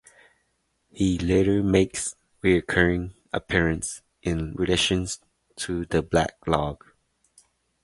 He later makes recurring appearances in relation to the Black Lodge.